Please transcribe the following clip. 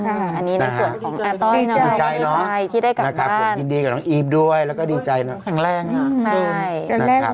อันนี้ในส่วนของอาต้อยนะครับดีใจที่ได้กลับบ้านยินดีกับน้องอีฟด้วยแล้วก็ดีใจนะครับ